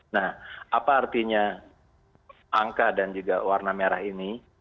nah apa artinya angka dan juga warna merah ini